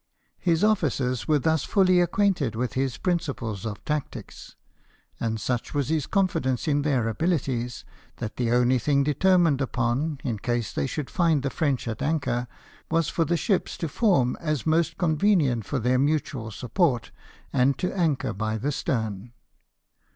His officers were thus fully acquainted with his principles of tactics ; and such was his confidence in their abilities, that the only thing determined upon, in case they should find the French at anchor, was for the ships to form as most convenient for their mutual support, and to anchor by the stern.